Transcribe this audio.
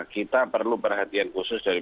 kita perlu perhatian khusus dari